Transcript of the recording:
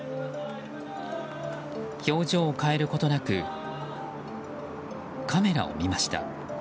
表情を変えることなくカメラを見ました。